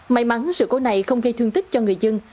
may mắn sự cố này không gây thương tích cho người dân